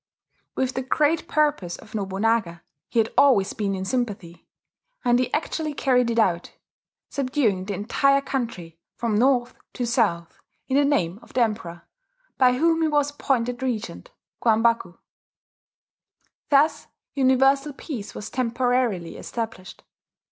With the great purpose of Nobunaga he had always been in sympathy; and he actually carried it out, subduing the entire country, from north to south, in the name of the Emperor, by whom he was appointed Regent (Kwambaku). Thus universal peace was temporarily established.